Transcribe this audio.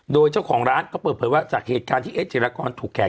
โดยเจ้าของร้านก็เปิดเผยว่าจากเหตุการณ์ที่เอสเจรกรถูกแขก